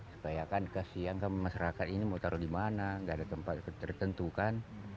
supaya kan ke siang masyarakat ini mau taruh di mana gak ada tempat tertentukan